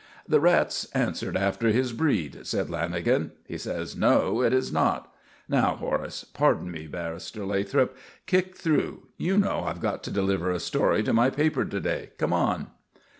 "The Rat's answered after his breed," said Lanagan. "He says no, it is not. Now, Horace pardon me, Barrister Lathrop kick through. You know I've got to deliver a story to my paper to day. Come on."